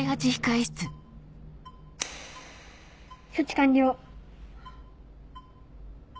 処置完了。